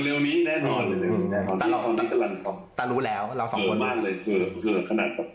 เร็วนี้แน่นอนแต่รู้แล้วเราสองคน